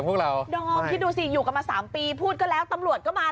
พี่เอ๊ยทุกวันเช้าเฮียนแล้วพี่เอ๊ยก็ฉีด